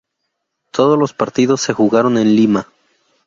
Todos los partidos se jugaron en Lima.